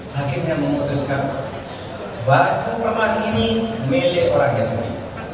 hakim yang memutuskan baju perang ini milik orang yahudi